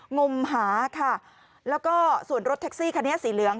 งมหาค่ะแล้วก็ส่วนรถแท็กซี่คันนี้สีเหลือง